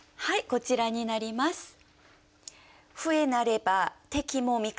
はいこちらになります。